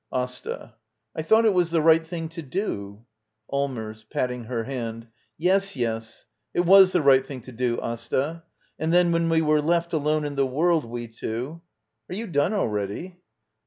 AsTA. I thought it was the right thing to do. Allmers. [Patting her hand.] Yes, yes; it was the right thing to do, Asta. — And then when we were left alone in the world, we two — Are you done already?